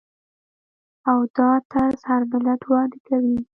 او دا طرز هر ملت وړاندې کوي.